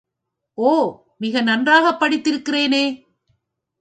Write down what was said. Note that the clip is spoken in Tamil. ஒ, மிக நன்றாகப் படித்திருக்கிறேனே!